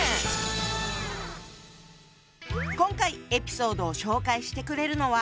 今回エピソードを紹介してくれるのは。